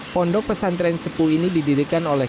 pondok pesantren sepuh ini didirikan oleh